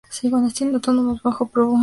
Tiene un tono bajo más profundo y sostenido.